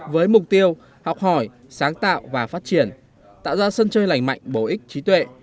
với mục tiêu học hỏi sáng tạo và phát triển tạo ra sân chơi lành mạnh bổ ích trí tuệ